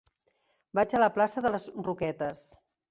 Vaig a la plaça de les Roquetes.